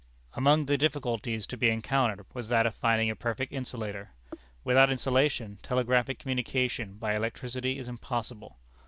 Among the difficulties to be encountered, was that of finding a perfect insulator. Without insulation, telegraphic communication by electricity is impossible.